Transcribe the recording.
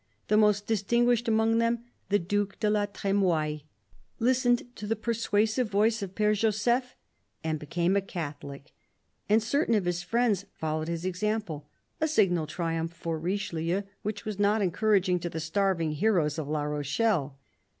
The most distinguished among them, the Due de la Tr^moille, Ustened to the persuasive voice of Pfere Joseph and became a Catholic, and certain of his friends followed his example — a signal triumph for Richelieu which was not encouraging to the starving heroes of La Rochelle.